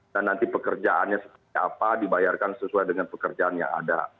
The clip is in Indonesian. dan nanti pekerjaannya seperti apa dibayarkan sesuai dengan pekerjaan yang ada